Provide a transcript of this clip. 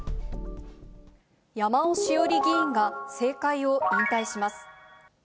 山尾志桜里議員が政界を引退